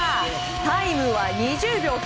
タイムは２０秒９！